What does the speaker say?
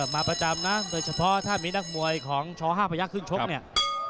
มาประจำนะโดยเฉพาะถ้ามีนักมวยของช๕พยักษ์ขึ้นชกเนี่ย